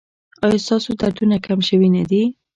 ایا ستاسو دردونه کم شوي نه دي؟